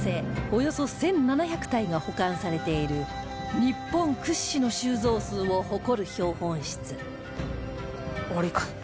およそ１７００体が保管されている日本屈指の収蔵数を誇る標本室